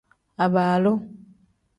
Abaalu.